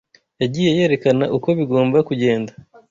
yagiye yerekana uko bigomba kugenda